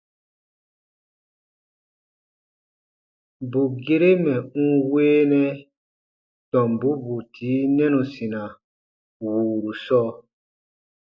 Bù gere mɛ̀ n weenɛ tɔmbu bù tii nɛnusina wùuru sɔɔ.